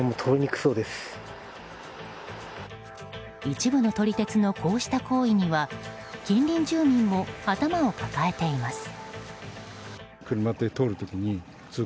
一部の撮り鉄のこうした行為には近隣住民も頭を抱えています。